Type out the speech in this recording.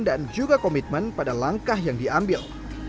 dan juga komitmen pada langkah yang diambil